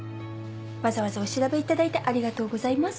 わざわざお調べいただいてありがとうございます。